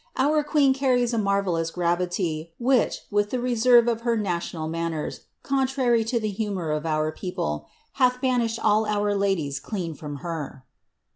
Our queen carries a marvellous gravity, which, with the reserve of her national manners, contrary to the humour of our people, hath banished all our ladies clean from her."